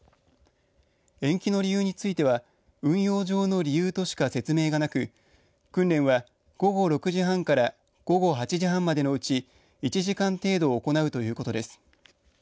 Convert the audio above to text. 延期の理由については運用上の理由としか説明がなく訓練は午後６時半から午後８時半までのうち１時間程度行うということです。